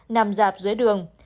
nằm dạp dưới đường